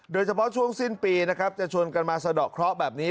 โดยเฉพาะช่วงสิ้นปีนะครับจะชวนกันมาสะดอกเคราะห์แบบนี้